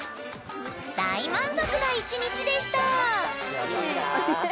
大満足な１日でした！